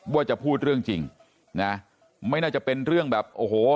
ว่าจะพูดเรื่องจริงนะไม่น่าจะเป็นเรื่องแบบโอ้โห